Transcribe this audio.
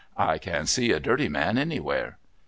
I can see a dirty man anywhere.'